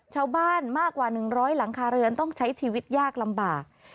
ชาวบ้านมากกว่า๑๐๐หลังคาเรือนต้องใช้ชีวิตยากลำบาก